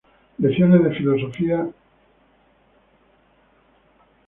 Lecciones de Filosofía de la Religion.